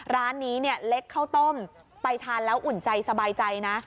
ร้านนี้เนี่ยเล็กข้าวต้มไปทานแล้วอุ่นใจสบายใจนะ